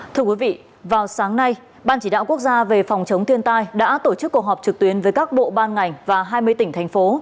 thưa quý vị vào sáng nay ban chỉ đạo quốc gia về phòng chống thiên tai đã tổ chức cuộc họp trực tuyến với các bộ ban ngành và hai mươi tỉnh thành phố